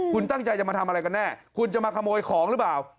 คุณตั้งใจจะมาทำอะไรกันแน่คุณจะมาขโมยของหรือเปล่า